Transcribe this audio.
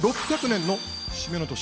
６００年！